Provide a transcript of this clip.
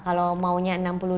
kalau maunya enam puluh lima